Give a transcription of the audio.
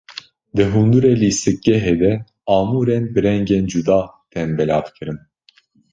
Di hundirê lîstikgehê de amûrên bi rengên cuda tên belavkirin.